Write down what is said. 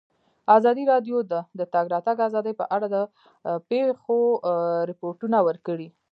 ازادي راډیو د د تګ راتګ ازادي په اړه د پېښو رپوټونه ورکړي.